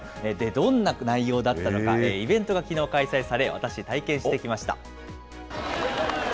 どんな内容だったのか、イベントがきのう開催され、私、体験してきました。